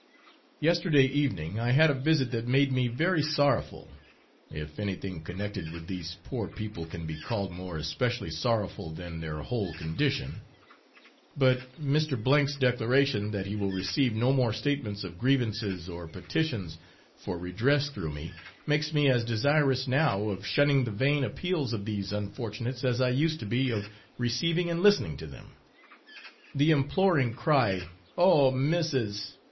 Yesterday evening I had a visit that made me very sorrowful if anything connected with these poor people can be called more especially sorrowful than their whole condition; but Mr. 's declaration that he will receive no more statements of grievances or petitions for redress through me, makes me as desirous now of shunning the vain appeals of these unfortunates as I used to be of receiving and listening to them. The imploring cry, 'Oh missis!'